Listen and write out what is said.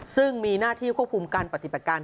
ซึ่งมีหน้าที่ควบคุมการปฏิบัติการ